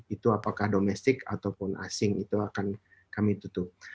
itu apakah domestik ataupun asing itu akan kami tutup